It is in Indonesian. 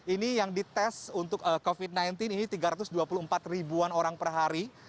ini yang dites untuk covid sembilan belas ini tiga ratus dua puluh empat ribuan orang per hari